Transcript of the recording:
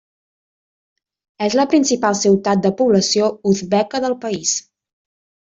És la principal ciutat de població uzbeka del país.